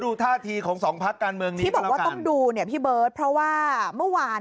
ดูท่าธีของสองพักการเมืองนี้ต้องดูเนี่ยเพราะว่าเมื่อวาน